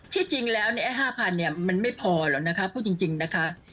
ที่จริงแล้ว๕๐๐เนี่ยมันไม่พอหรอกนะคะพูดจริงนะคะ